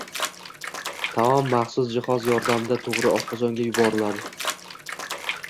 taom maxsus jihoz yordamida to‘g‘ri oshqozonga yuboriladi.